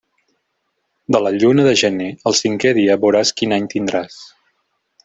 De la lluna de gener, el cinqué dia veuràs quin any tindràs.